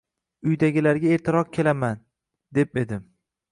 Uydagilarga ertaroq kelaman, deb edim